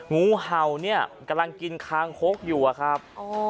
งูเห่าเนี่ยกำลังกินคางคกอยู่อะครับ